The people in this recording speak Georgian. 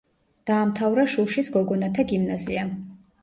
დაამთავრა შუშის გოგონათა გიმნაზია.